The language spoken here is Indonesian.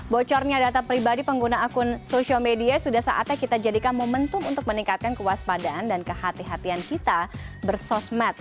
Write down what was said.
bocornya data pribadi pengguna akun sosial media sudah saatnya kita jadikan momentum untuk meningkatkan kewaspadaan dan kehatian kita bersosmed